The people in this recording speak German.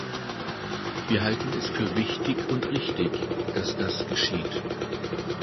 Wir halten es für wichtig und richtig, dass das geschieht.